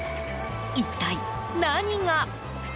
一体、何が？